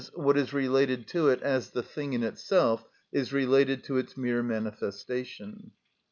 _, what is related to it as the thing in itself is related to its mere manifestation.